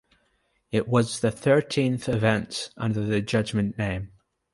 It was the thirteenth event under the Judgement name.